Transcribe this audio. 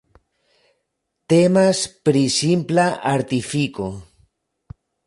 Temas pri simpla artifiko...